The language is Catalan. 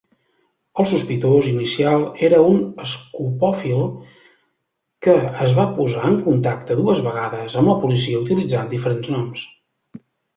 El sospitós inicial era un escopòfil que es va posar en contacte dues vegades amb la policia utilitzant diferents noms.